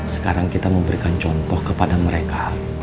sekarang kita memberikan contoh kepada mereka